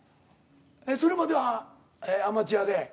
えっそれまではアマチュアで？